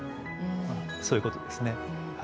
そういうことですね。